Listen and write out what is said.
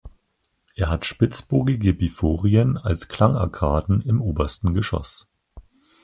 Er hat spitzbogige Biforien als Klangarkaden im obersten Geschoss.